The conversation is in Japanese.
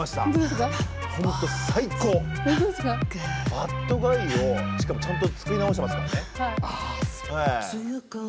「ｂａｄｇｕｙ」をしかもちゃんと作り直してますからね。